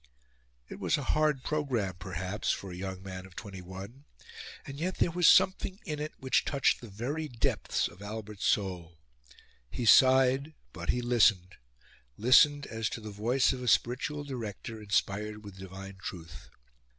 It was a hard programme perhaps, for a young man of twenty one; and yet there was something in it which touched the very depths of Albert's soul. He sighed, but he listened listened as to the voice of a spiritual director inspired with divine truth.